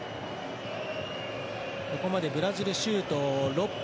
ここまでブラジル、シュート６本。